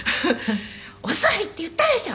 「“お座りって言ったでしょ！”」